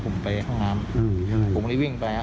ผมไม่ได้ตั้งใจที่จะแบบ